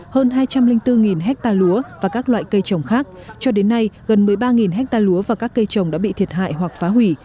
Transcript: hơn hai trăm linh bốn hectare lúa và các loại cây trồng khác cho đến nay gần một mươi ba ha lúa và các cây trồng đã bị thiệt hại hoặc phá hủy